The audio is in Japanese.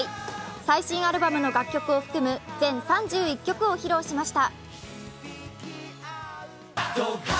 最新アルバムの楽曲を含む全３１曲を披露しました